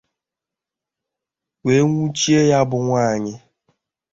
' wee nwụchie ya bụ nwaanyị